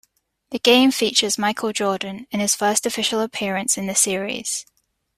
The game features Michael Jordan in his first official appearance in the series.